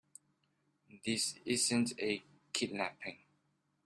This isn't a kidnapping.